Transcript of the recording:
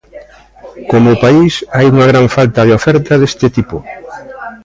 Como país hai unha gran falta de oferta deste tipo.